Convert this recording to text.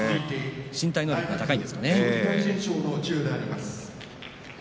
身体能力が高いんですね。